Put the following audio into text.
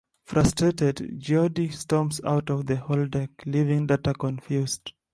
Frustrated, Geordi storms out of the holodeck, leaving Data confused.